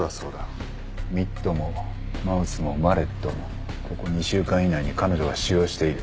ミットもマウスもマレットもここ２週間以内に彼女が使用している。